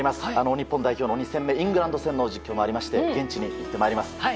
日本代表の２戦目イングランド戦の実況がありまして現地に行ってまいります。